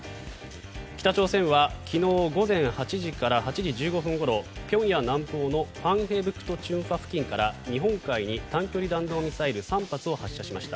北朝鮮は昨日午前８時から８時１５分ごろ平壌南東の黄海北道中和付近から日本海に短距離弾道ミサイル３発を発射しました。